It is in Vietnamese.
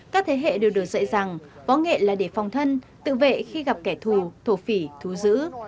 các thế hệ đều được dạy rằng võ nghệ là để phòng thân tự vệ khi gặp kẻ thù thổ phỉ thú dữ